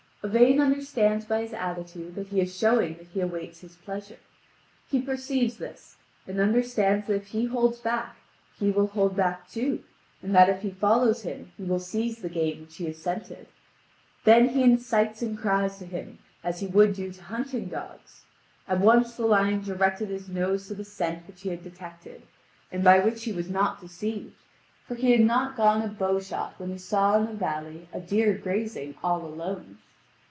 Yvain understands by his attitude that he is showing that he awaits his pleasure. He perceives this and understands that if he holds back he will hold back too, and that if he follows him he will seize the game which he has scented. Then he incites and cries to him, as he would do to hunting dogs. At once the lion directed his nose to the scent which he had detected, and by which he was not deceived, for he had not gone a bow shot when he saw in a valley a deer grazing all alone.